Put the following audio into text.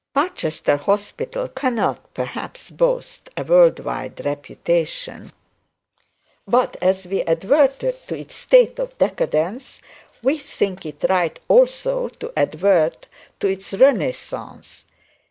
'Barchester hospital cannot perhaps boast a world wide reputation; but as we advertised to its state of decadence, we think it right also to advert to its renaissance.